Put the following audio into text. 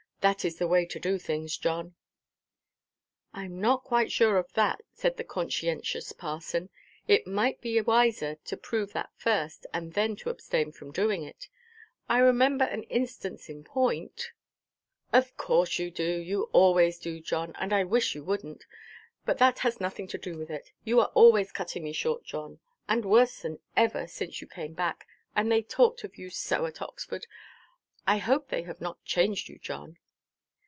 That is the way to do things, John." "I am not quite sure of that," said the conscientious parson; "it might be wiser to prove that first; and then to abstain from doing it. I remember an instance in point——" "Of course you do. You always do, John, and I wish you wouldnʼt. But that has nothing to do with it. You are always cutting me short, John; and worse than ever since you came back, and they talked of you so at Oxford. I hope they have not changed you, John."